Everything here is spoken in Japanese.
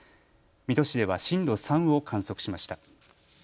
水戸市では震度３を観測しました。